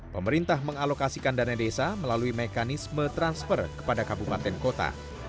pemerintah mengalokasikan dana desa melalui mekanisme transfer kepada kabupaten kota